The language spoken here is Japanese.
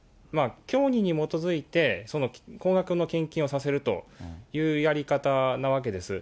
教義に基づいて高額の献金をさせるというやり方なわけです。